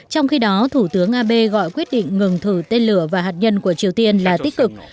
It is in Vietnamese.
trong khi đó thủ tướng abe gọi quyết định ngừng thử tên lửa và hạt nhân của triều tiên là tích cực